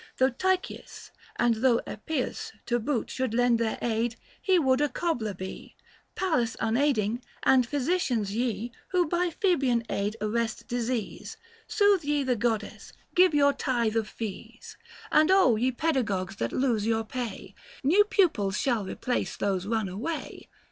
Though Tychius and though Epe'us to boot* Should lend their aid, he would a cobbler be, Pallas unaiding — and physicians ye Who by Phoebean aid arrest disease 885 Sooth ye the Goddess, give your tithe of fees. And ye pedagogues that lose your pay, New pupils shall replace those run away.